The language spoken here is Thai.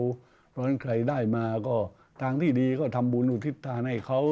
เพราะฉะนั้นใครได้มาก็ทางที่ดีก็ทำบุญอุทิศทานให้เขา